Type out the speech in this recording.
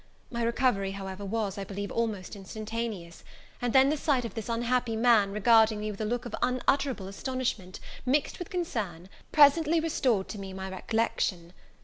My recovery, however, was, I believe, almost instantaneous; and then the sight of this unhappy man, regarding me with a look of unutterable astonishment, mixed with concern, presently restored to me my recollection.